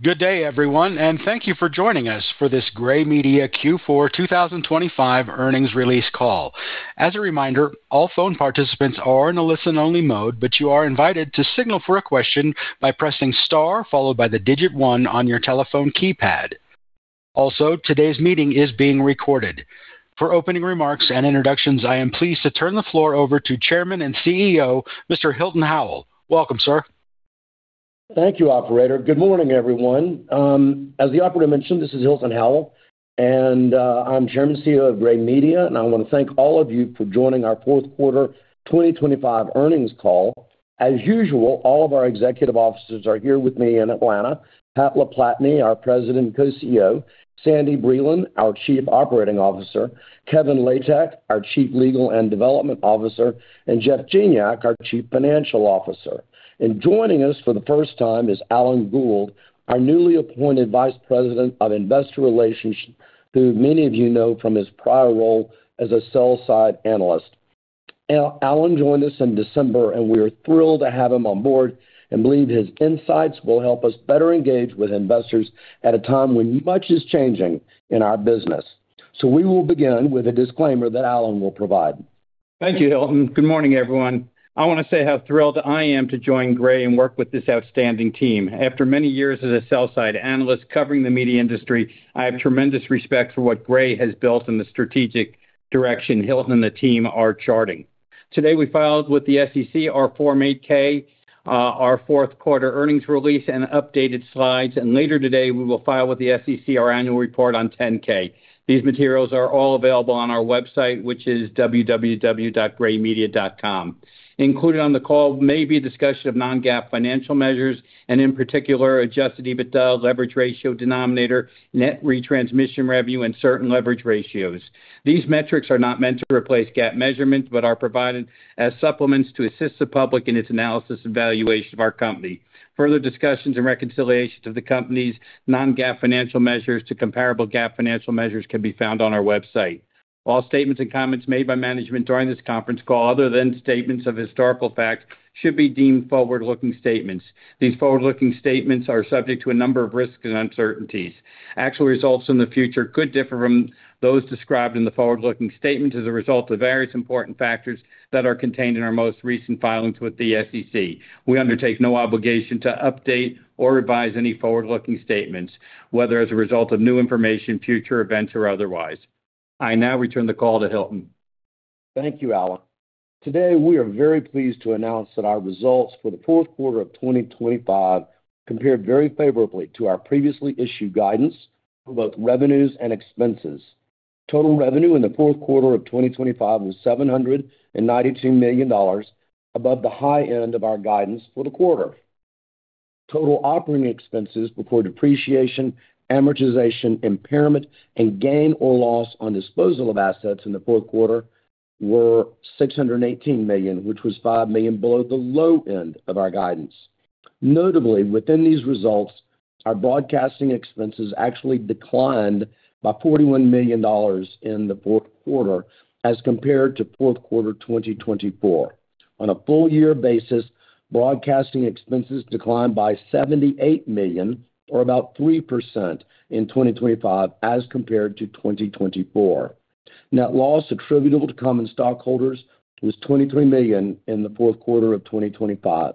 Good day, everyone, and thank you for joining us for this Gray Media Q4 2025 earnings release call. As a reminder, all phone participants are in a listen-only mode, but you are invited to signal for a question by pressing star, followed by the digit 1 on your telephone keypad. Also, today's meeting is being recorded. For opening remarks and introductions, I am pleased to turn the floor over to Chairman and CEO, Mr. Hilton Howell. Welcome, sir. Thank you, operator. Good morning, everyone. As the operator mentioned, this is Hilton Howell, I'm Chairman and CEO of Gray Media, and I want to thank all of you for joining our Q4 2025 earnings call. As usual, all of our executive officers are here with me in Atlanta. Pat LaPlatney, our President and Co-CEO, Sandy Breland, our Chief Operating Officer, Kevin Latek, our Chief Legal and Development Officer, and Jeff Gignac, our Chief Financial Officer. Joining us for the first time is Alan Gould, our newly appointed Vice President of Investor Relations, who many of you know from his prior role as a sell-side analyst. Alan joined us in December, and we are thrilled to have him on board and believe his insights will help us better engage with investors at a time when much is changing in our business. We will begin with a disclaimer that Alan will provide. Thank you, Hilton. Good morning, everyone. I want to say how thrilled I am to join Gray and work with this outstanding team. After many years as a sell-side analyst covering the media industry, I have tremendous respect for what Gray has built and the strategic direction Hilton and the team are charting. Today, we filed with the SEC our Form 8-K, our Q4 earnings release and updated slides, and later today, we will file with the SEC our annual report on 10-K. These materials are all available on our website, which is www.graymedia.com. Included on the call may be a discussion of non-GAAP financial measures and in particular Adjusted EBITDA, leverage ratio denominator, Net Retransmission Revenue, and certain leverage ratios. These metrics are not meant to replace GAAP measurements but are provided as supplements to assist the public in its analysis and valuation of our company. Further discussions and reconciliations of the company's non-GAAP financial measures to comparable GAAP financial measures can be found on our website. All statements and comments made by management during this conference call, other than statements of historical fact, should be deemed forward-looking statements. These forward-looking statements are subject to a number of risks and uncertainties. Actual results in the future could differ from those described in the forward-looking statements as a result of various important factors that are contained in our most recent filings with the SEC. We undertake no obligation to update or revise any forward-looking statements, whether as a result of new information, future events, or otherwise. I now return the call to Hilton. Thank you, Alan. Today, we are very pleased to announce that our results for the Q4 of 2025 compared very favorably to our previously issued guidance for both revenues and expenses. Total revenue in the Q4 of 2025 was $792 million, above the high end of our guidance for the quarter. Total operating expenses before depreciation, amortization, impairment, and gain or loss on disposal of assets in the Q4 were $618 million, which was $5 million below the low end of our guidance. Notably, within these results, our broadcasting expenses actually declined by $41 million in the Q4 as compared to Q4 2024. On a full year basis, broadcasting expenses declined by $78 million, or about 3% in 2025 as compared to 2024. Net loss attributable to common stockholders was $23 million in the Q4of 2025.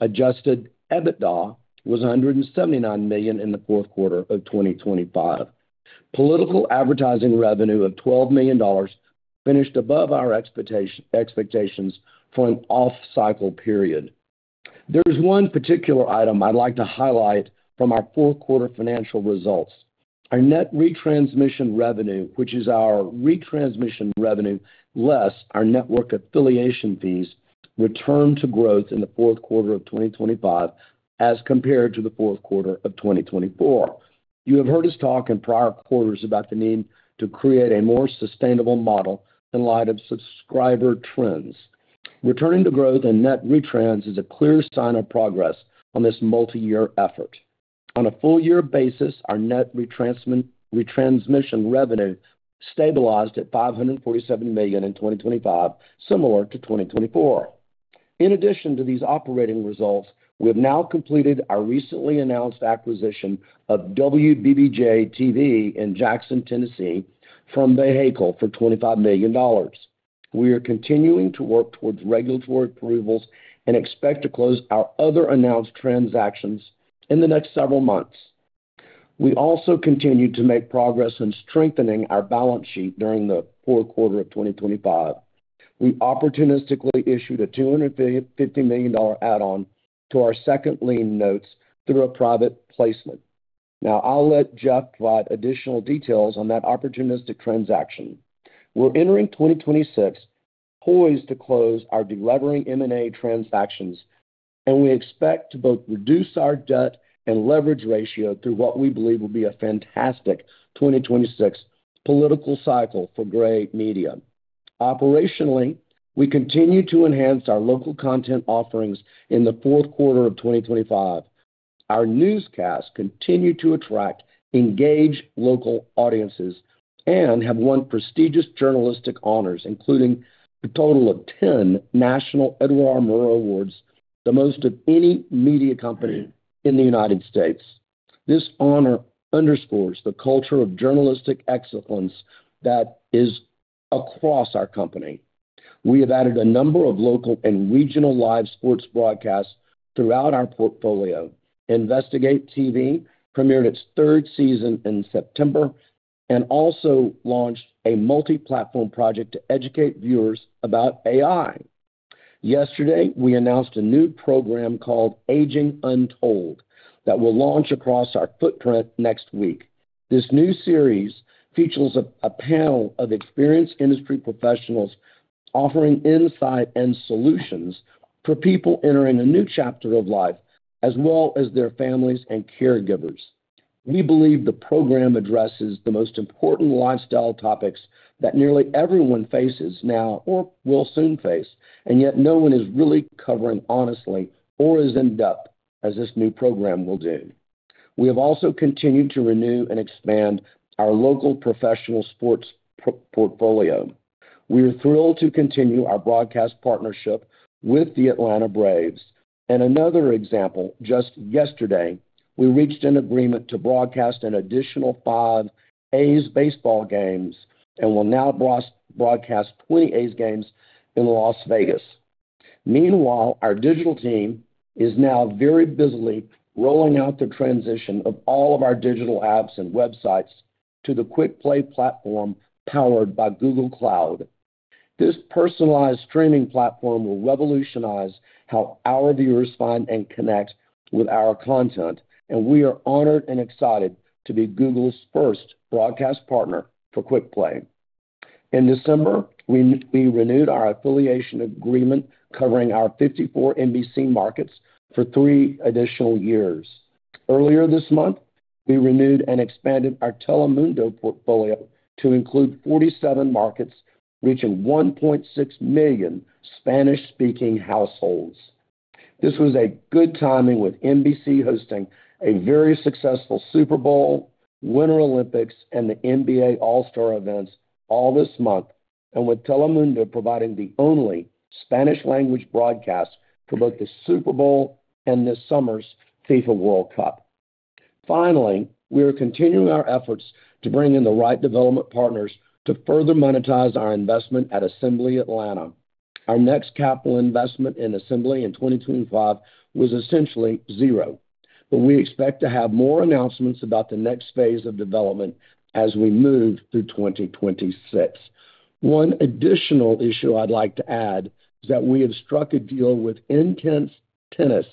Adjusted EBITDA was $179 million in the Q4 of 2025. Political advertising revenue of $12 million finished above our expectations for an off-cycle period. There is one particular item I'd like to highlight from our Q4 financial results. Our Net Retransmission Revenue, which is our retransmission revenue, less our network affiliation fees, returned to growth in the Q4of 2025 as compared to the Q4 of 2024. You have heard us talk in prior quarters about the need to create a more sustainable model in light of subscriber trends. Returning to growth in net retrains is a clear sign of progress on this multiyear effort. On a full year basis, our Net Retransmission Revenue stabilized at $547 million in 2025, similar to 2024. In addition to these operating results, we have now completed our recently announced acquisition of WBBJ-TV in Jackson, Tennessee, from for $25 million. We are continuing to work towards regulatory approvals and expect to close our other announced transactions in the next several months. We also continued to make progress in strengthening our balance sheet during the Q4 of 2025. We opportunistically issued a $250 million add-on to our second lien notes through a private placement. Now, I'll let Jeff provide additional details on that opportunistic transaction. We're entering 2026 poised to close our delevering M&A transactions, and we expect to both reduce our debt and leverage ratio through what we believe will be a fantastic 2026 political cycle for Gray Media. Operationally, we continued to enhance our local content offerings in the Q4 of 2025. Our newscasts continued to attract, engage local audiences, and have won prestigious journalistic honors, including a total of 10 national Edward R. Murrow Awards, the most of any media company in the United States. This honor underscores the culture of journalistic excellence that is across our company. We have added a number of local and regional live sports broadcasts throughout our portfolio. InvestigateTV premiered its third season in September and also launched a multi-platform project to educate viewers about AI. Yesterday, we announced a new program called Aging Un-told, that will launch across our footprint next week. This new series features a panel of experienced industry professionals offering insight and solutions for people entering a new chapter of life, as well as their families and caregivers. We believe the program addresses the most important lifestyle topics that nearly everyone faces now or will soon face, and yet no one is really covering honestly or as in-depth as this new program will do. We have also continued to renew and expand our local professional sports portfolio. We are thrilled to continue our broadcast partnership with the Atlanta Braves. Another example, just yesterday, we reached an agreement to broadcast an additional 5 A's baseball games and will now broadcast 20 A's games in Las Vegas. Meanwhile, our digital team is now very busily rolling out the transition of all of our digital apps and websites to the Quickplay platform, powered by Google Cloud. This personalized streaming platform will revolutionize how our viewers find and connect with our content, and we are honored and excited to be Google's first broadcast partner for Quickplay. In December, we renewed our affiliation agreement covering our 54 NBC markets for 3 additional years. Earlier this month, we renewed and expanded our Telemundo portfolio to include 47 markets, reaching 1.6 million Spanish-speaking households. This was a good timing, with NBC hosting a very successful Super Bowl, Winter Olympics, and the NBA All-Star events all this month, and with Telemundo providing the only Spanish language broadcast for both the Super Bowl and this summer's FIFA World Cup. We are continuing our efforts to bring in the right development partners to further monetize our investment at Assembly Atlanta. Our next capital investment in Assembly in 2025 was essentially 0, but we expect to have more announcements about the next phase of development as we move through 2026. One additional issue I'd like to add is that we have struck a deal with Intense Tennis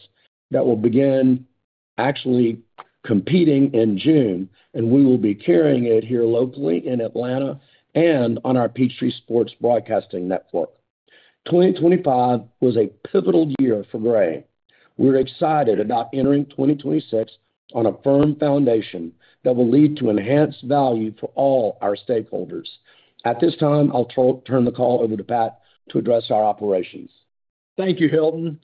that will begin actually competing in June, and we will be carrying it here locally in Atlanta and on our Peachtree Sports Network. 2025 was a pivotal year for Gray. We're excited about entering 2026 on a firm foundation that will lead to enhanced value for all our stakeholders. At this time, I'll turn the call over to Pat to address our operations. Thank you, Hilton.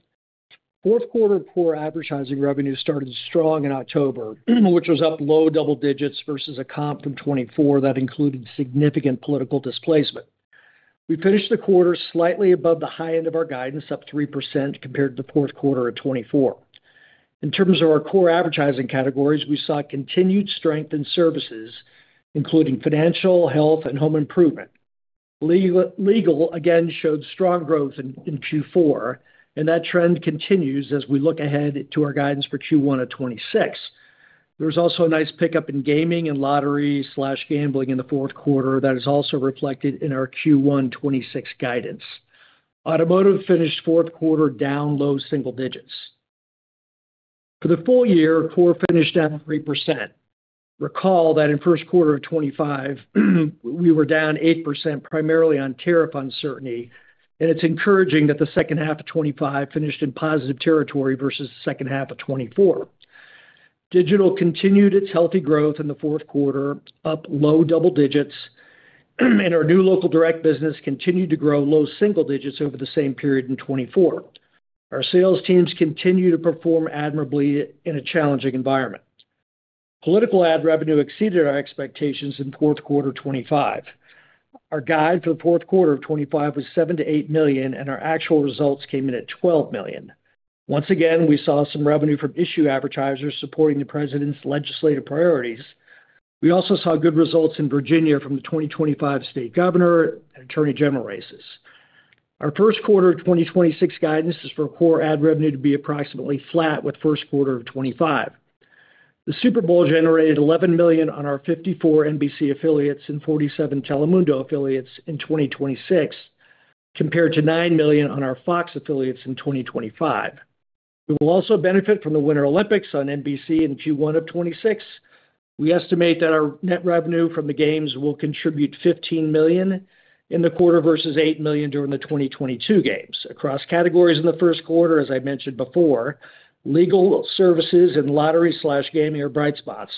Q4 core advertising revenue started strong in October, which was up low double digits versus a comp from 2024 that included significant political displacement. We finished the quarter slightly above the high end of our guidance, up 3% compared to the Q4 of 2024. In terms of our core advertising categories, we saw continued strength in services, including financial, health, and home improvement. Legal, again, showed strong growth in Q4, and that trend continues as we look ahead to our guidance for Q1 of 2026. There was also a nice pickup in gaming and lottery slash gambling in the Q4 that is also reflected in our Q1 2026 guidance. Automotive finished Q4 down low double digits. For the full year, core finished down 3%. Recall that in Q1 of 2025, we were down 8%, primarily on tariff uncertainty, and it's encouraging that the second half of 2025 finished in positive territory versus the second half of 2024. Digital continued its healthy growth in the Q4, up low double digits, and our new local direct business continued to grow low single digits over the same period in 2024. Our sales teams continue to perform admirably in a challenging environment. Political ad revenue exceeded our expectations in Q4 2025. Our guide for the Q4 of 2025 was $7 million-$8 million, and our actual results came in at $12 million. Once again, we saw some revenue from issue advertisers supporting the president's legislative priorities. We also saw good results in Virginia from the 2025 state governor and attorney general races. Our Q1 2026 guidance is for core ad revenue to be approximately flat with Q1of 2025. The Super Bowl generated $11 million on our 54 NBC affiliates and 47 Telemundo affiliates in 2026, compared to $9 million on our FOX affiliates in 2025. We will also benefit from the Winter Olympics on NBC in Q1 of 2026. We estimate that our net revenue from the games will contribute $15 million in the quarter versus $8 million during the 2022 games. Across categories in the Q1, as I mentioned before, legal services and lottery slash gaming are bright spots.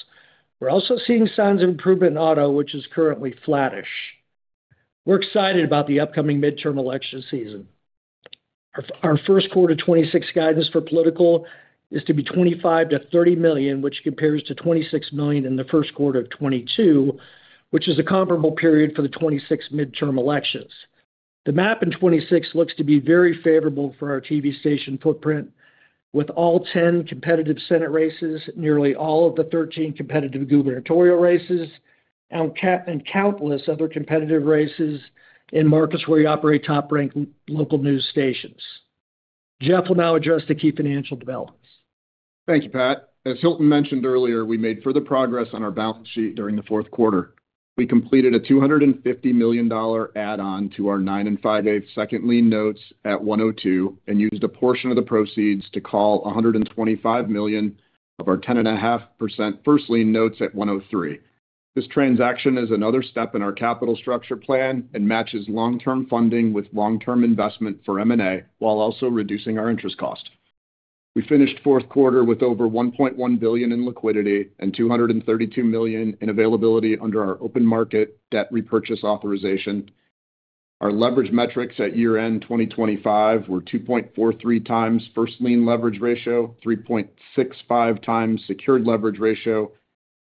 We're also seeing signs of improvement in auto, which is currently flattish. We're excited about the upcoming midterm election season. OurQ1 2026 guidance for political is to be $25 million-$30 million, which compares to $26 million in the Q1 of 2022, which is a comparable period for the 2026 midterm elections. The map in 2026 looks to be very favorable for our TV station footprint, with all 10 competitive Senate races, nearly all of the 13 competitive gubernatorial races, and countless other competitive races in markets where we operate top-ranked local news stations. Jeff will now address the key financial developments. Thank you, Pat. As Hilton mentioned earlier, we made further progress on our balance sheet during the Q4. We completed a $250 million add-on to our 9.625% Second Lien Notes at 102 and used a portion of the proceeds to call $125 million of our 10.5% First Lien Notes at 103. This transaction is another step in our capital structure plan and matches long-term funding with long-term investment for M&A, while also reducing our interest cost. We finished Q4 with over $1.1 billion in liquidity and $232 million in availability under our open market debt repurchase authorization. Our leverage metrics at year-end 2025 were 2.43 times first lien leverage ratio, 3.65 times secured leverage ratio,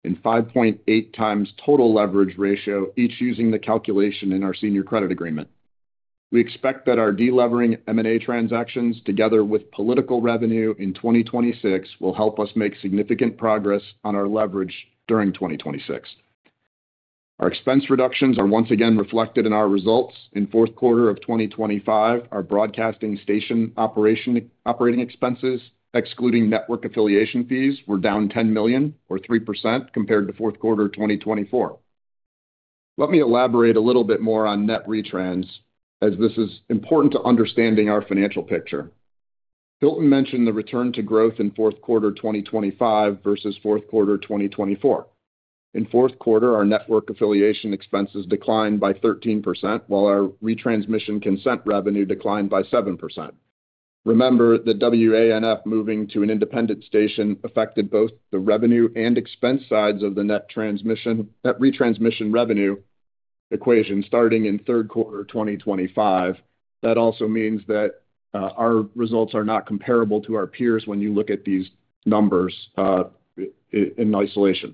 and 5.8 times total leverage ratio, each using the calculation in our senior credit agreement. We expect that our de-levering M&A transactions, together with political revenue in 2026, will help us make significant progress on our leverage during 2026. Our expense reductions are once again reflected in our results. In Q4 of 2025, our broadcasting station operation, operating expenses, excluding network affiliation fees, were down $10 million, or 3% compared to Q4 2024. Let me elaborate a little bit more on net retrains, as this is important to understanding our financial picture. Hilton mentioned the return to growth in Q4 2025 versus Q4 2024. In Q4, our network affiliation expenses declined by 13%, while our Net Retransmission Revenue declined by 7%. Remember, the WANF moving to an independent station affected both the revenue and expense sides of the Net Retransmission Revenue equation starting in Q3 2025. That also means that our results are not comparable to our peers when you look at these numbers in isolation.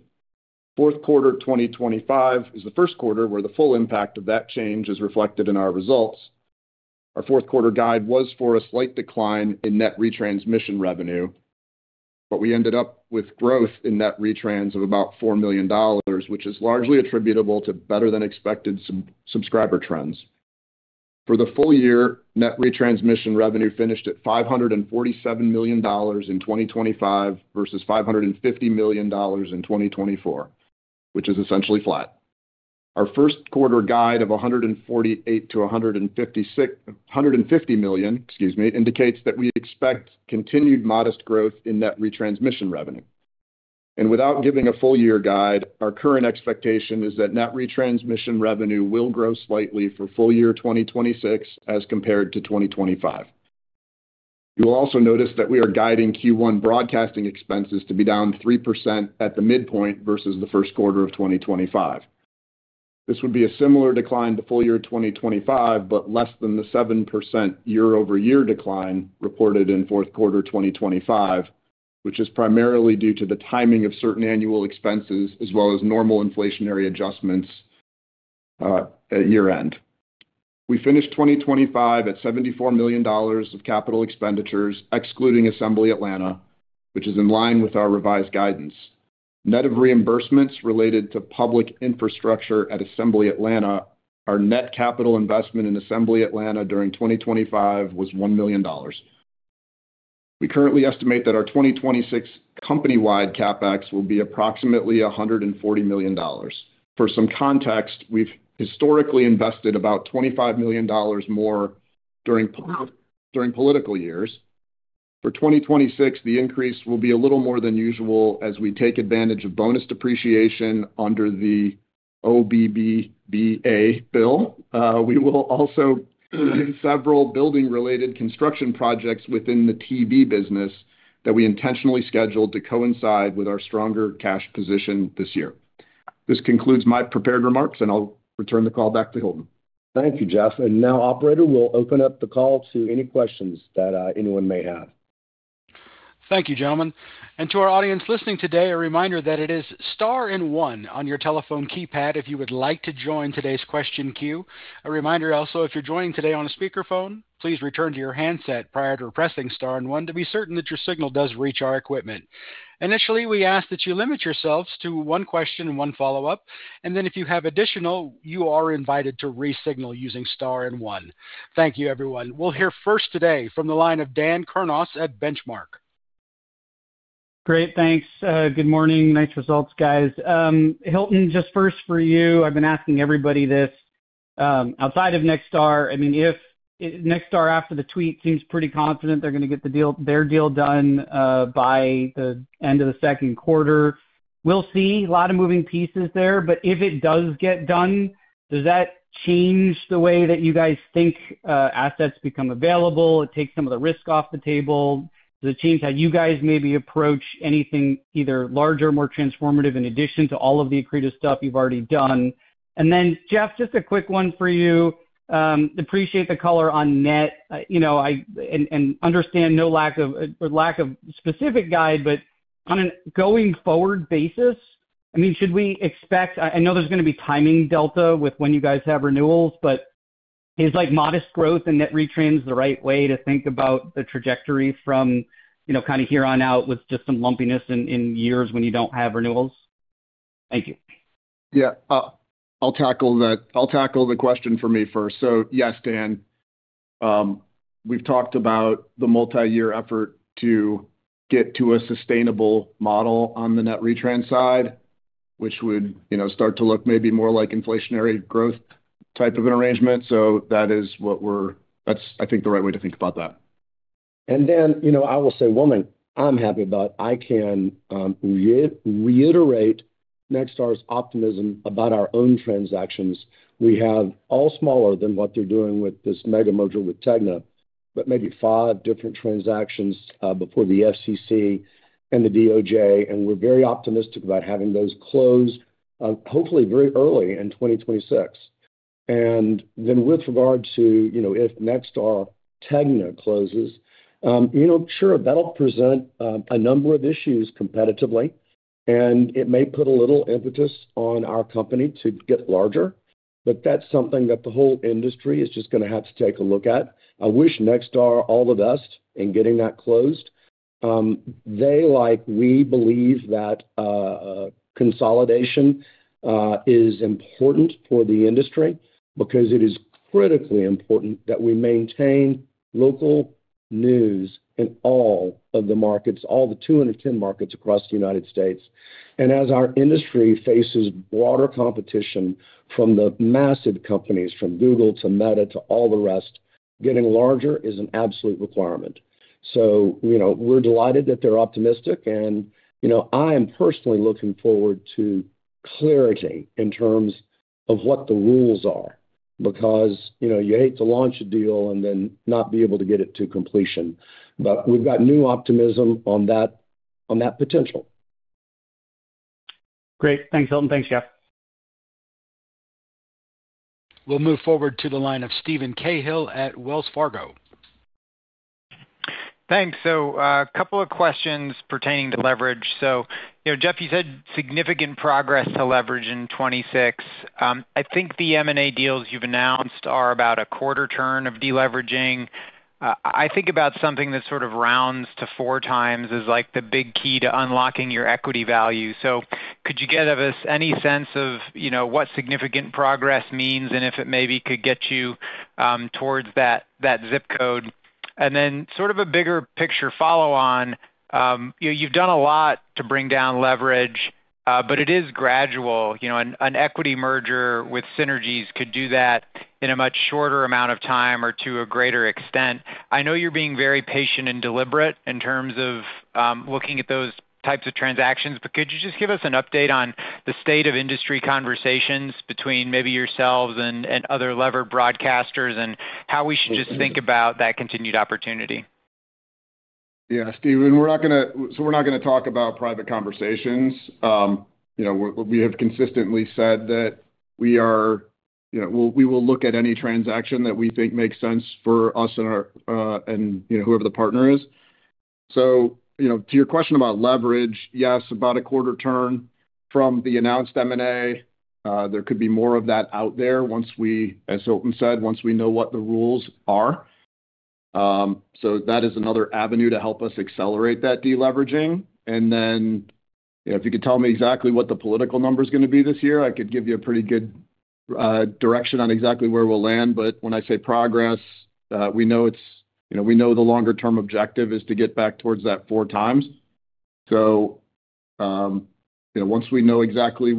Q4 2025 is the Q1 where the full impact of that change is reflected in our results. Our Q4 guide was for a slight decline in Net Retransmission Revenue. We ended up with growth in net retrains of about $4 million, which is largely attributable to better-than-expected subscriber trends. For the full year, Net Retransmission Revenue finished at $547 million in 2025 versus $550 million in 2024, which is essentially flat. Our Q1 guide of $148 million-$150 million, excuse me, indicates that we expect continued modest growth in Net Retransmission Revenue. Without giving a full year guide, our current expectation is that Net Retransmission Revenue will grow slightly for full year 2026 as compared to 2025. You will also notice that we are guiding Q1 broadcasting expenses to be down 3% at the midpoint versus the Q1 of 2025. This would be a similar decline to full year 2025, but less than the 7% year-over-year decline reported in Q4 2025, which is primarily due to the timing of certain annual expenses as well as normal inflationary adjustments at year-end. We finished 2025 at $74 million of CapEx, excluding Assembly Atlanta, which is in line with our revised guidance. Net of reimbursements related to public infrastructure at Assembly Atlanta, our net capital investment in Assembly Atlanta during 2025 was $1 million. We currently estimate that our 2026 company-wide CapEx will be approximately $140 million. For some context, we've historically invested about $25 million more during political years. For 2026, the increase will be a little more than usual as we take advantage of bonus depreciation under the OBBBA bill. We will also do several building-related construction projects within the TV business that we intentionally scheduled to coincide with our stronger cash position this year. This concludes my prepared remarks. I'll return the call back to Hilton. Thank you, Jeff. Now, operator, we'll open up the call to any questions that anyone may have. Thank you, gentlemen. To our audience listening today, a reminder that it is star 1 on your telephone keypad if you would like to join today's question queue. A reminder also, if you're joining today on a speakerphone, please return to your handset prior to pressing star 1 to be certain that your signal does reach our equipment. Initially, we ask that you limit yourselves to one question and one follow-up, if you have additional, you are invited to re-signal using star 1. Thank you, everyone. We'll hear first today from the line of Dan Kurnos at Benchmark. Great, thanks. Good morning. Nice results, guys. Hilton, just first for you, I've been asking everybody this. Outside of Nexstar, I mean, if Nexstar, after the tweet, seems pretty confident they're going to get the deal, their deal done by the end of the Q2. We'll see, a lot of moving pieces there. If it does get done, does that change the way that you guys think assets become available? It takes some of the risk off the table. Does it change how you guys maybe approach anything either larger, more transformative, in addition to all of the accretive stuff you've already done? Jeff, just a quick one for you. Appreciate the color on net. You know, and understand no lack of specific guide, but- ...On a going forward basis, I mean, should we expect I know there's going to be timing delta with when you guys have renewals, but is like modest growth in net retrains the right way to think about the trajectory from, you know, kind of here on out with just some lumpiness in years when you don't have renewals? Thank you. I'll tackle that. I'll tackle the question for me first. Yes, Dan, we've talked about the multi-year effort to get to a sustainable model on the net retrains side, which would, you know, start to look maybe more like inflationary growth type of an arrangement. That's, I think, the right way to think about that. You know, I will say, woman, I'm happy about I can reiterate Nexstar's optimism about our own transactions. We have all smaller than what they're doing with this mega module with Tegna, but maybe 5 different transactions before the FCC and the DOJ, and we're very optimistic about having those closed, hopefully very early in 2026. With regard to, you know, if Nexstar Tegna closes, you know, sure, that'll present a number of issues competitively, and it may put a little impetus on our company to get larger, but that's something that the whole industry is just gonna have to take a look at. I wish Nexstar all the best in getting that closed. They like, we believe that consolidation is important for the industry because it is critically important that we maintain local news in all of the markets, all the 210 markets across the United States. As our industry faces broader competition from the massive companies, from Google to Meta to all the rest, getting larger is an absolute requirement. You know, we're delighted that they're optimistic and, you know, I am personally looking forward to clarity in terms of what the rules are, because, you know, you hate to launch a deal and then not be able to get it to completion. We've got new optimism on that potential. Great. Thanks, Hilton. Thanks, Jeff. We'll move forward to the line of Steven Cahall at Wells Fargo. Thanks. A couple of questions pertaining to leverage. You know, Jeff, you said significant progress to leverage in 2026. I think the M&A deals you've announced are about a quarter turn of deleveraging. I think about something that sort of rounds to 4x is like the big key to unlocking your equity value. Could you give us any sense of, you know, what significant progress means and if it maybe could get you towards that zip code? Sort of a bigger picture follow on, you know, you've done a lot to bring down leverage, but it is gradual. You know, an equity merger with synergies could do that in a much shorter amount of time or to a greater extent. I know you're being very patient and deliberate in terms of looking at those types of transactions, but could you just give us an update on the state of industry conversations between maybe yourselves and other levered broadcasters and how we should just think about that continued opportunity? Steven, we're not going to talk about private conversations. you know, we have consistently said that we are, you know, we will look at any transaction that we think makes sense for us and our, and, you know, whoever the partner is. you know, to your question about leverage, yes, about a quarter turn from the announced M&A. There could be more of that out there once we, as Hilton said, once we know what the rules are. That is another avenue to help us accelerate that deleveraging. If you could tell me exactly what the political number is going to be this year, I could give you a pretty good direction on exactly where we'll land. When I say progress, we know it's, you know, we know the longer-term objective is to get back towards that 4x. You know, once we know exactly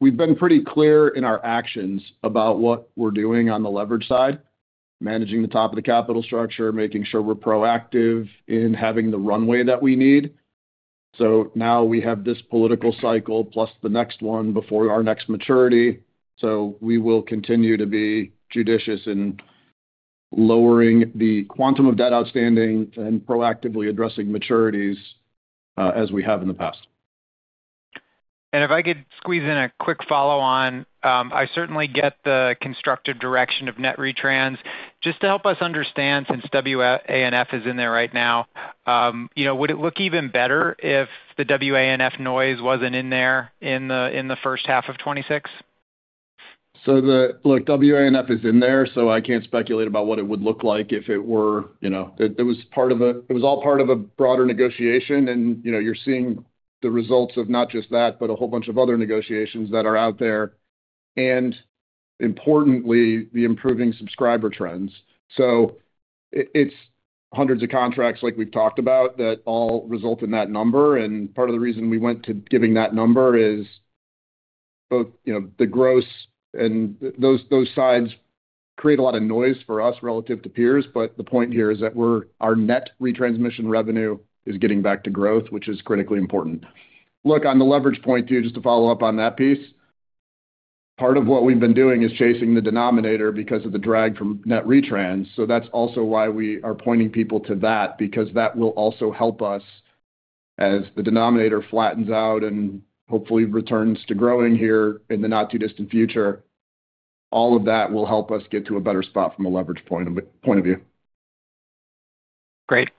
we've been pretty clear in our actions about what we're doing on the leverage side, managing the top of the capital structure, making sure we're proactive in having the runway that we need. Now we have this political cycle plus the next one before our next maturity, so we will continue to be judicious in lowering the quantum of debt outstanding and proactively addressing maturities, as we have in the past. If I could squeeze in a quick follow-on. I certainly get the constructive direction of Net Retrans. Just to help us understand, since WANF is in there right now, you know, would it look even better if the WANF noise wasn't in there in the first half of 2026? Look, WANF is in there, so I can't speculate about what it would look like if it were, you know, it was all part of a broader negotiation, and, you know, you're seeing the results of not just that, but a whole bunch of other negotiations that are out there, and importantly, the improving subscriber trends. It's hundreds of contracts, like we've talked about, that all result in that number, and part of the reason we went to giving that number is both, you know, the gross and those sides create a lot of noise for us relative to peers. The point here is that our Net Retransmission Revenue is getting back to growth, which is critically important. Look, on the leverage point, too, just to follow up on that piece, part of what we've been doing is chasing the denominator because of the drag from net retrans. That's also why we are pointing people to that, because that will also help us as the denominator flattens out and hopefully returns to growing here in the not too distant future. All of that will help us get to a better spot from a leverage point of view. Great.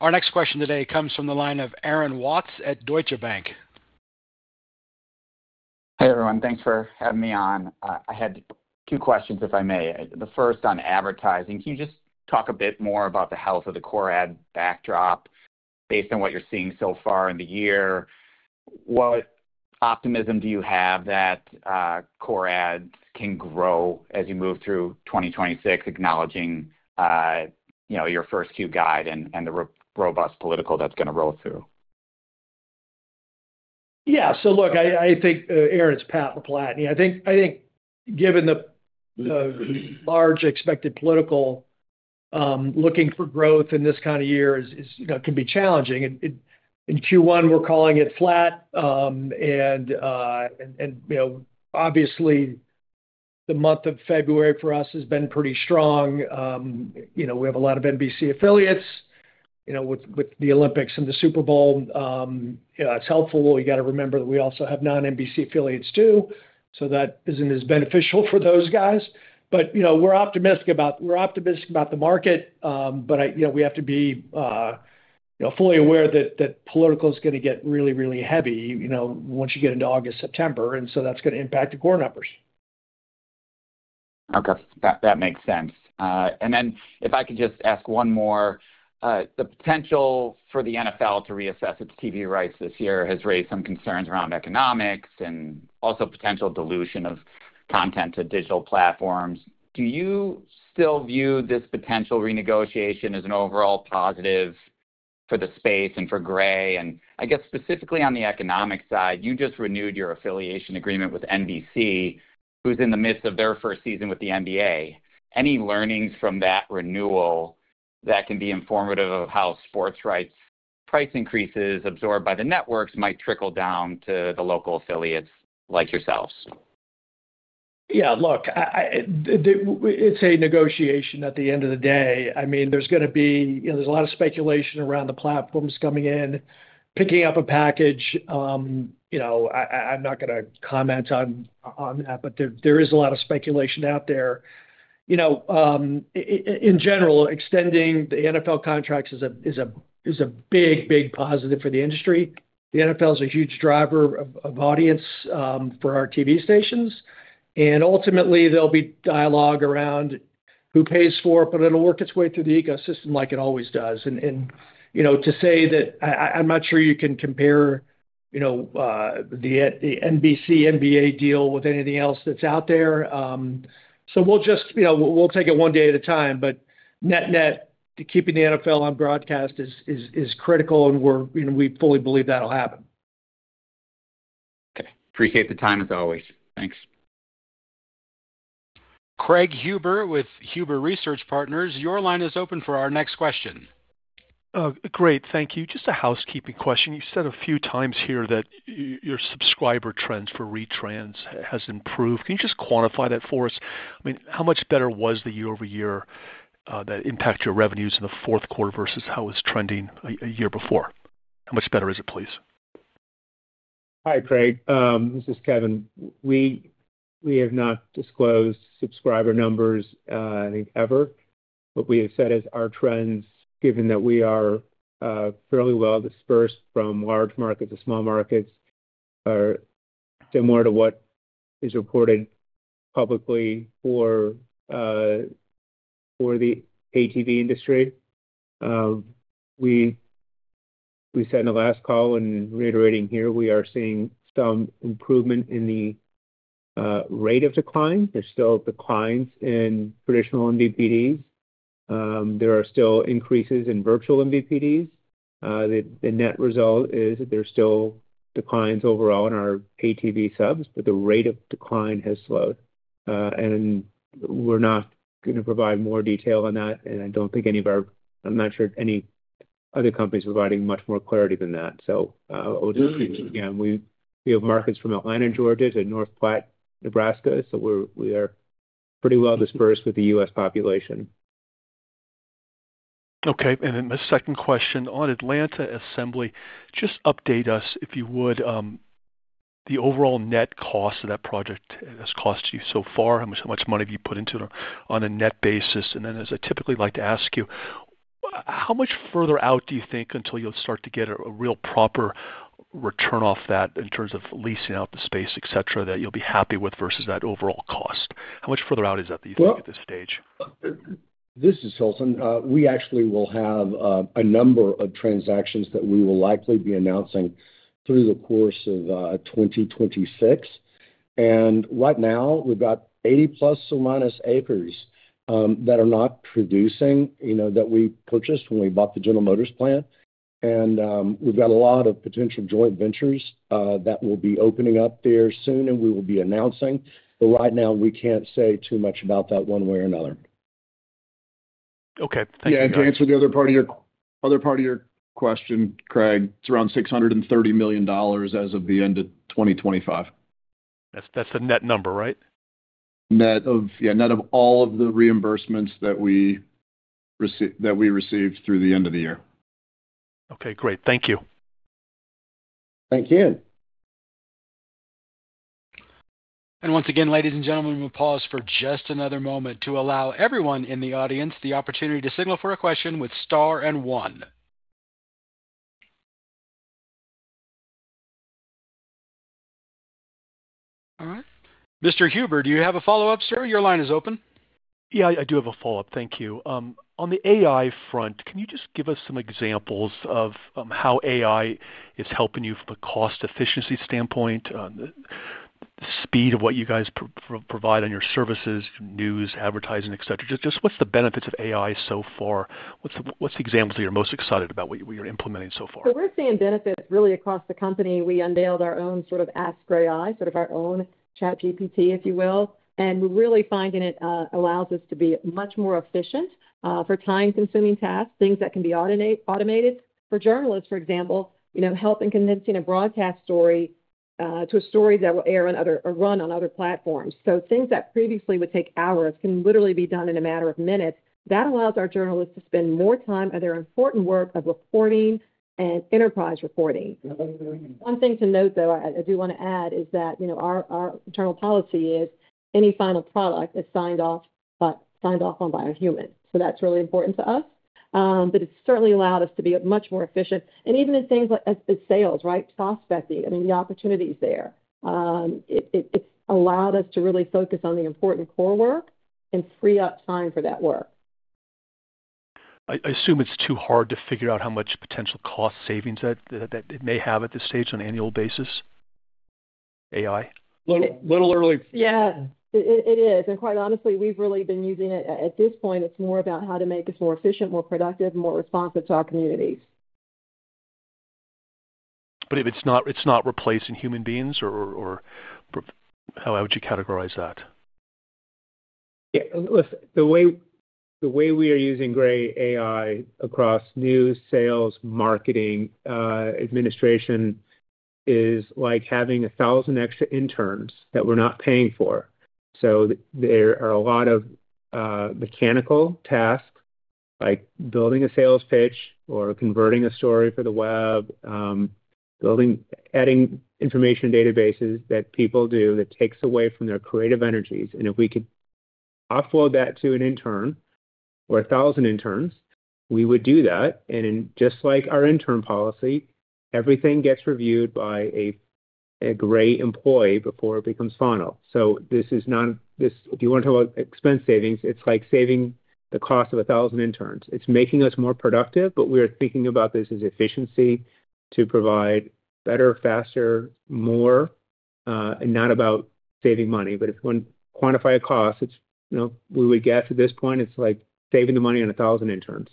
Our next question today comes from the line of Aaron Watts at Deutsche Bank. Hey, everyone. Thanks for having me on. I had two questions, if I may. The first on advertising. Can you just talk a bit more about the health of the core ad backdrop based on what you're seeing so far in the year? What optimism do you have that core ads can grow as you move through 2026, acknowledging, you know, your first Q guide and the robust political that's going to roll through? Look, I think Aaron Watts, it's Pat LaPlatney. I think given the large expected political, you know, looking for growth in this kind of year is, you know, can be challenging. In Q1, we're calling it flat, and, you know, obviously the month of February for us has been pretty strong. You know, we have a lot of NBC affiliates, you know, with the Olympics and the Super Bowl. You know, that's helpful. You got to remember that we also have non-NBC affiliates, too, so that isn't as beneficial for those guys. You know, we're optimistic about the market, but I, you know, we have to be, you know, fully aware that political is gonna get really, really heavy, you know, once you get into August, September, and so that's gonna impact the core numbers. Okay, that makes sense. If I could just ask one more. The potential for the NFL to reassess its TV rights this year has raised some concerns around economics and also potential dilution of content to digital platforms. Do you still view this potential renegotiation as an overall positive for the space and for Gray? I guess specifically on the economic side, you just renewed your affiliation agreement with NBC, who's in the midst of their first season with the NBA. Any learnings from that renewal that can be informative of how sports rights price increases absorbed by the networks might trickle down to the local affiliates like yourselves? Yeah, look, It's a negotiation at the end of the day. I mean, there's gonna be You know, there's a lot of speculation around the platforms coming in, picking up a package. You know, I'm not gonna comment on that, but there is a lot of speculation out there. You know, in general, extending the NFL contracts is a big, big positive for the industry. The NFL is a huge driver of audience for our TV stations, and ultimately there'll be dialogue around who pays for it, but it'll work its way through the ecosystem like it always does. You know, to say that I'm not sure you can compare, you know, the NBC, NBA deal with anything else that's out there. We'll just, you know, we'll take it one day at a time, but net-net, keeping the NFL on broadcast is critical, and we're, you know, we fully believe that'll happen. Okay. Appreciate the time, as always. Thanks. Craig Huber with Huber Research Partners, your line is open for our next question. Great, thank you. Just a housekeeping question. You've said a few times here that your subscriber trends for retrans has improved. Can you just quantify that for us? I mean, how much better was the year-over-year that impact your revenues in the Q4 versus how it was trending a year before? How much better is it, please? Hi, Craig. This is Kevin. We have not disclosed subscriber numbers, I think ever, but we have said is our trends, given that we are fairly well dispersed from large markets to small markets, are similar to what is reported publicly for the ATV industry. We said in the last call, and reiterating here, we are seeing some improvement in the rate of decline. There's still declines in traditional MVPDs. There are still increases in virtual MVPDs. The net result is that there are still declines overall in our pay TV subs, but the rate of decline has slowed. We're not gonna provide more detail on that, and I don't think I'm not sure any other company is providing much more clarity than that. Again, we have markets from Atlanta, Georgia, to North Platte, Nebraska, so we are pretty well dispersed with the U.S. population. Okay, the second question: on Atlanta assembly, just update us, if you would, the overall net cost of that project has cost you so far. How much money have you put into it on a net basis? As I typically like to ask you, how much further out do you think until you'll start to get a real proper return off that in terms of leasing out the space, et cetera, that you'll be happy with versus that overall cost? How much further out is that, do you think, at this stage? This is Hilton. We actually will have a number of transactions that we will likely be announcing through the course of 2026. Right now, we've got 80 plus or minus acres that are not producing, you know, that we purchased when we bought the General Motors plant. We've got a lot of potential joint ventures that will be opening up there soon, and we will be announcing. Right now, we can't say too much about that one way or another. Okay. Thank you. Yeah, to answer the other part of your question, Craig, it's around $630 million as of the end of 2025. That's the net number, right? Net of, yeah, net of all of the reimbursements that we received through the end of the year. Okay, great. Thank you. Thank you. Once again, ladies and gentlemen, we'll pause for just another moment to allow everyone in the audience the opportunity to signal for a question with star and one. All right, Mr. Huber, do you have a follow-up, sir? Your line is open. I do have a follow-up. Thank you. On the AI front, can you just give us some examples of, how AI is helping you from a cost efficiency standpoint, on the speed of what you guys provide on your services, news, advertising, et cetera? Just what's the benefits of AI so far? What's the examples that you're most excited about, what you're implementing so far? We're seeing benefits really across the company. We unveiled our own sort of Ask Gray AI, sort of our own ChatGPT, if you will, and we're really finding it allows us to be much more efficient for time-consuming tasks, things that can be automated. For journalists, for example, you know, helping condensing a broadcast story to a story that will air on other or run on other platforms. Things that previously would take hours can literally be done in a matter of minutes. That allows our journalists to spend more time on their important work of reporting and enterprise reporting. One thing to note, though, I do want to add, is that, you know, our internal policy is any final product is signed off on by a human. That's really important to us. It's certainly allowed us to be much more efficient. Even in things like as sales, right? Prospecting, I mean, the opportunity is there. It's allowed us to really focus on the important core work and free up time for that work. I assume it's too hard to figure out how much potential cost savings that it may have at this stage on an annual basis, AI? Little, little early. Yeah, it is. Quite honestly, we've really been using it. At this point, it's more about how to make us more efficient, more productive, more responsive to our communities. If it's not, it's not replacing human beings, or how would you categorize that? Yeah, listen, the way we are using Gray AI across news, sales, marketing, administration, is like having 1,000 extra interns that we're not paying for. There are a lot of mechanical tasks, like building a sales pitch or converting a story for the web, building, adding information databases that people do that takes away from their creative energies, and if we could offload that to an intern or 1,000 interns, we would do that. Just like our intern policy, everything gets reviewed by a Gray employee before it becomes final. This, if you want to talk about expense savings, it's like saving the cost of 1,000 interns. It's making us more productive, we are thinking about this as efficiency to provide better, faster, more, and not about saving money. If you want to quantify a cost, it's, you know, we would get to this point, it's like saving the money on 1,000 interns.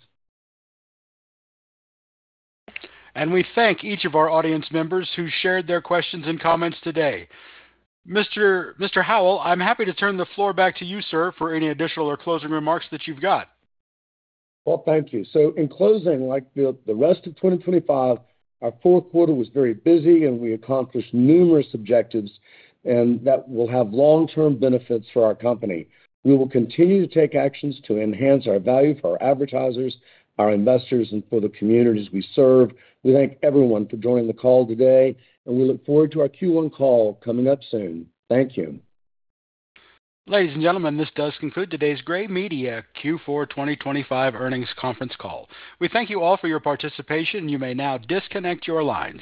We thank each of our audience members who shared their questions and comments today. Mr. Howell, I'm happy to turn the floor back to you, sir, for any additional or closing remarks that you've got. Thank you. In closing, like the rest of 2025, our Q4 was very busy. We accomplished numerous objectives. That will have long-term benefits for our company. We will continue to take actions to enhance our value for our advertisers, our investors, and for the communities we serve. We thank everyone for joining the call today. We look forward to our Q1 call coming up soon. Thank you. Ladies and gentlemen, this does conclude today's Gray Media Q4 2025 earnings conference call. We thank you all for your participation. You may now disconnect your lines.